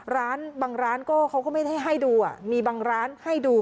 บางร้านก็เขาก็ไม่ได้ให้ดูมีบางร้านให้ดู